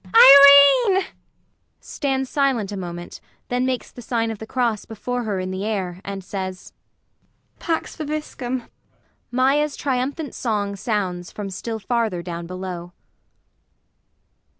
] Irene! [Stands silent a moment, then makes the sign of the cross before her in the air, and says. Pax vobiscum! [MAIA's triumphant song sounds from still farther down below.